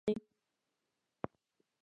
د دې ډلې درې غړي او د هغو مشر په توقیف کې دي